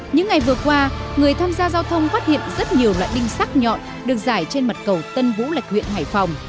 những ngày vừa qua người tham gia giao thông phát hiện rất nhiều loại đinh sắt nhọn được giải trên mặt cầu tân vũ lạch huyện hải phòng